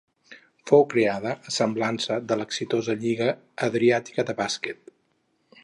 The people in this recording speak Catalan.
Fou creada a semblança de l'exitosa Lliga Adriàtica de bàsquet.